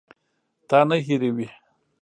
تا نه هېروي.